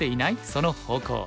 その方向」。